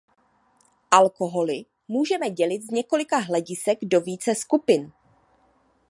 Alkoholy můžeme dělit z několika hledisek do více skupin.